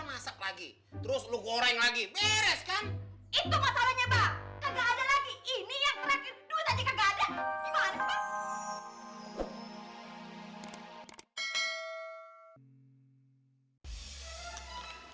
masak lagi terus lu goreng lagi beres kan itu masalahnya banget enggak ada lagi ini yang terakhir